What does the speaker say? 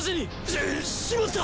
ししまった！